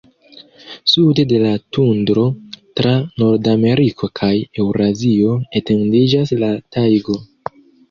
Sude de la tundro, tra Nordameriko kaj Eŭrazio, etendiĝas la tajgo.